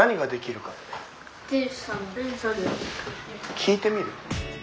聞いてみる？